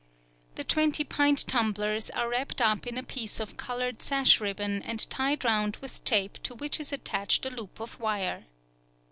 The twenty pint tumblers are wrapped up in a piece of colored sash ribbon and tied round with tape to which is attached a loop of wire.